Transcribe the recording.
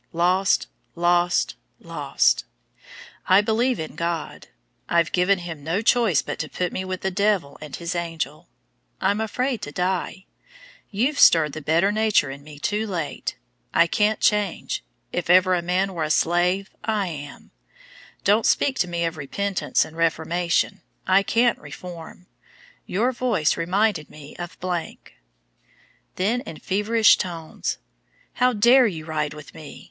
Lost! Lost! Lost! I believe in God. I've given Him no choice but to put me with 'the devil and his angel.' I'm afraid to die. You've stirred the better nature in me too late. I can't change. If ever a man were a slave, I am. Don't speak to me of repentance and reformation. I can't reform. Your voice reminded me of ." Then in feverish tones, "How dare you ride with me?